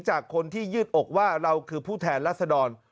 จากคนที่ยืดอกว่าเราคือผู้แทนรัศดร